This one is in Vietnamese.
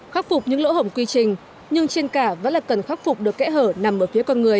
khắc phục những lỗ hổng quy trình nhưng trên cả vẫn là cần khắc phục được kẽ hở nằm ở phía con người